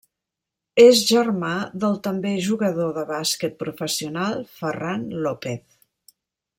És germà del també jugador de bàsquet professional Ferran López.